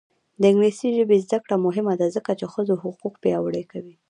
د انګلیسي ژبې زده کړه مهمه ده ځکه چې ښځو حقونه پیاوړي کوي.